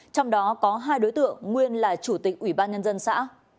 trong đó có hai đối tượng nguyên là chủ tịch ủy ban nhân dân xã